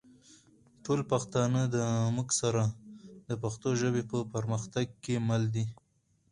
ټول پښتانه دا مونږ سره د پښتو ژبې په پرمختګ کې مل دي